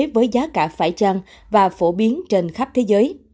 với giá cả phải trăng và phổ biến trên khắp thế giới